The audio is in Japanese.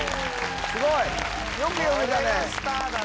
すごいよく読めたね